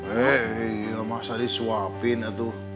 eh masa disuapin atu